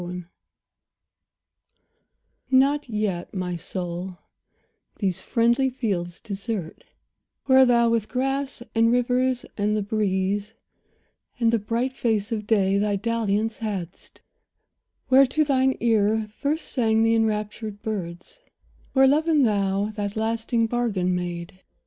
XXIV NOT yet, my soul, these friendly fields desert, Where thou with grass, and rivers, and the breeze, And the bright face of day, thy dalliance hadst; Where to thine ear first sang the enraptured birds; Where love and thou that lasting bargain made.